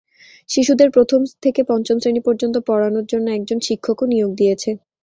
শিশুদের প্রথম থেকে পঞ্চম শ্রেণী পর্যন্ত পড়ানোর জন্য একজন শিক্ষকও নিয়োগ দিয়েছে।